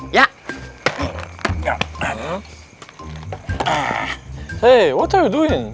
hei apa yang kamu lakukan